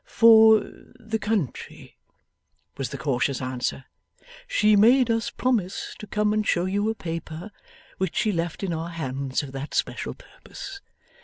'For the country,' was the cautious answer, 'she made us promise to come and show you a paper, which she left in our hands for that special purpose.